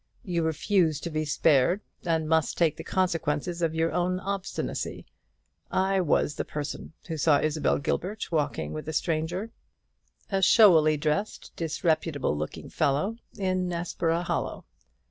You refuse to be spared, and must take the consequences of your own obstinacy. I was the person who saw Isabel Gilbert walking with a stranger a showily dressed disreputable looking fellow in Nessborough Hollow.